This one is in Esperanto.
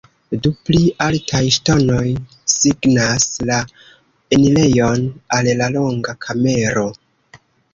Du pli altaj ŝtonoj signas la enirejon al la longa kamero.